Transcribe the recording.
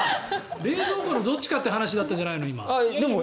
冷蔵庫のどっちかって話だったじゃないの、今。